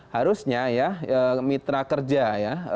harusnya ya mitra kerja ya